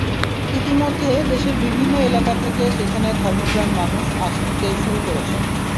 ইতিমধ্যে দেশের বিভিন্ন এলাকা থেকে সেখানে ধর্মপ্রাণ মানুষ আসতে শুরু করেছেন।